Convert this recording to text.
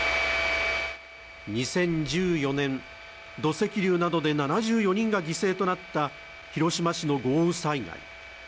２０１４年、土石流などで７４人が犠牲となった広島市の豪雨災害。